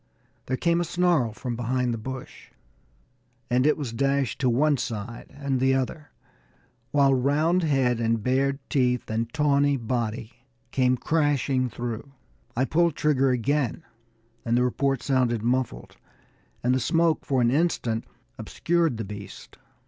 There came a snarl from behind the bush, and it was dashed to one side and the other, while round head and bared teeth and tawny body came crashing through. I pulled trigger again, and the report sounded muffled, and the smoke for an instant obscured the beast.